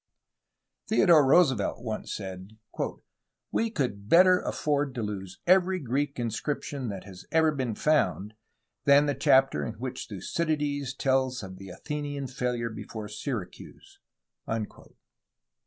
Theodore Roosevelt once said: "We could better afford to lose every Greek inscription that has ever been found than the chapter in which Thucydides tells of the Athenian failure before. Syracuse."